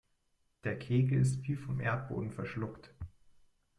Der Kegel ist wie vom Erdboden verschluckt.